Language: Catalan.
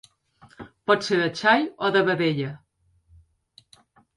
Pot ser de xai o de vedella.